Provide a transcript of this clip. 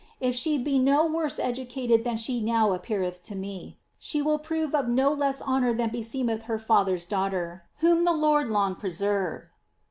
If she be no worse educated than she now appeareth to me, she will prove of no less honour than beseemeth her father's daughter, whom the Lord long presenre."